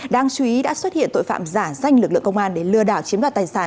đáng chú ý đã xuất hiện tội phạm giả danh lực lượng công an để lừa đảo chiếm đoạt tài sản